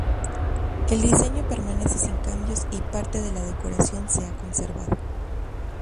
El diseño permanece sin cambios y parte de la decoración se ha conservado.